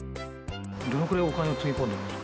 どのくらいお金をつぎ込んだんですか？